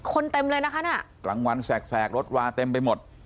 เต็มเลยนะคะน่ะกลางวันแสกรถวาเต็มไปหมด